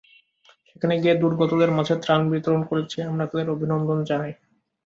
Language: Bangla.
সেখানে গিয়ে দুর্গতদের মাঝে ত্রাণ বিতরণ করেছে, আমরা তাদের অভিনন্দন জানাই।